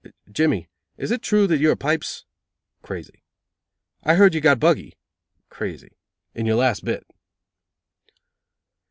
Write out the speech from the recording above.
"Jimmy, is it true, that you are pipes (crazy)? I heard you got buggy (crazy) in your last bit."